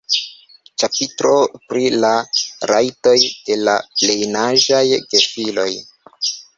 Ĉapitro pri la rajtoj de la plenaĝaj gefiloj.